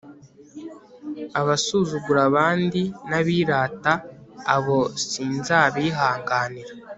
abasuzugura abandi n'abirata, abo sinzabihanganira